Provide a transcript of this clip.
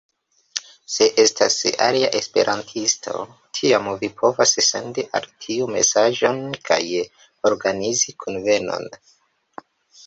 Se estas alia esperantisto, tiam vi povas sendi al tiu mesaĝon kaj organizi kunvenon.